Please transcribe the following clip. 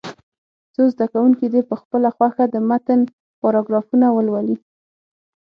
څو زده کوونکي دې په خپله خوښه د متن پاراګرافونه ولولي.